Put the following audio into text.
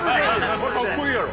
かっこいいやろ。